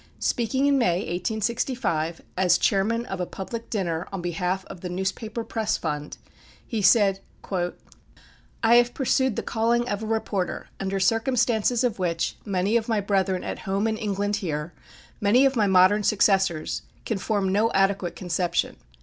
Speaking in May, 1865, as chairman of a public dinner on behalf of the Newspaper Press Fund, he said: "I have pursued the calling of a reporter under circumstances of which many of my brethren at home in England here, many of my modern successors, can form no adequate conception.